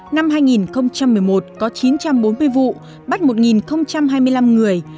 năm hai nghìn một mươi một có chín trăm bốn mươi vụ bắt một hai mươi năm người